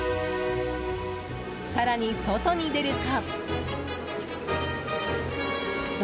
更に、外に出ると。